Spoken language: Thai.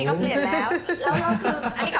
แค่นี้ก็เปลี่ยนแล้ว